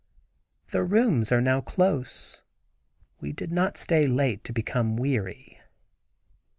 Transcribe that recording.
The rooms are not close. We did not stay late to become weary.